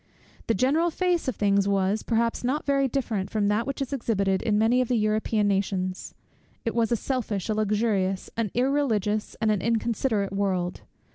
The general face of things was, perhaps, not very different from that which is exhibited in many of the European nations. It was a selfish, a luxurious, an irreligious, and an inconsiderate world.